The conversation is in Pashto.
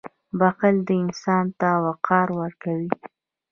• بښل انسان ته وقار ورکوي.